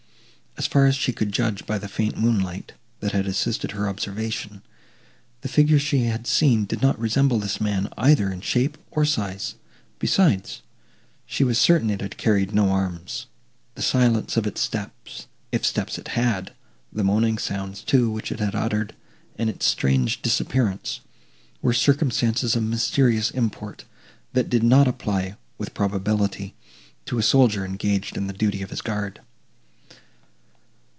As far as she could judge by the faint moonlight, that had assisted her observation, the figure she had seen did not resemble this man either in shape or size; besides, she was certain it had carried no arms. The silence of its steps, if steps it had, the moaning sounds, too, which it had uttered, and its strange disappearance, were circumstances of mysterious import, that did not apply, with probability, to a soldier engaged in the duty of his guard.